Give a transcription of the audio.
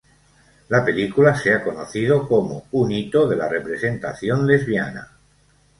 La película se ha conocido como un "hito de la representación lesbiana".